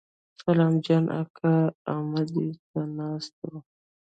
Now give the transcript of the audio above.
سلام جان اکا امدې ته ناست و.